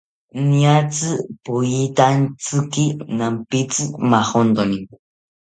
Niatzi poyitantziki nampitzi majontoni